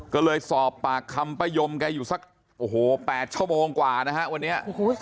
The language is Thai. ก็เลยสอบปากคำป้ายมแกอยู่สักโอ้โห๘ชั่วโมงกว่านะฮะวันนี้